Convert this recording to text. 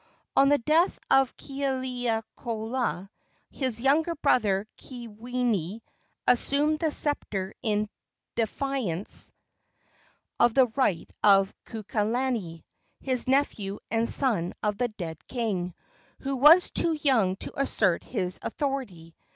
On the death of Kealiiokoloa his younger brother, Keawenui, assumed the sceptre in defiance of the right of Kukailani, his nephew and son of the dead king, who was too young to assert his authority.